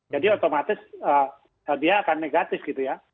jadi otomatis dia akan negatif gitu ya